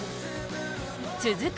続く